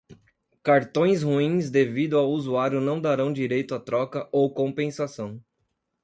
Cartões ruins devido ao usuário não darão direito a troca ou compensação.